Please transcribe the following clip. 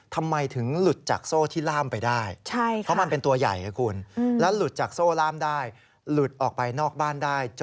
ทำไมถึงหลุดจากโซ่ที่ล่ามไปได้